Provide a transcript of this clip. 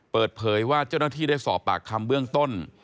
เปิดเผยว่าเจ้าหน้าที่ได้สอบปากคำเบื้องต้น